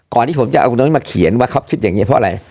ที่ผมจะเอาตรงนั้นมาเขียนว่าเขาคิดอย่างนี้เพราะอะไร